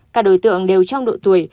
các đối tượng đều trong độ tuổi